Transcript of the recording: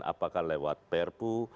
apakah lewat prpu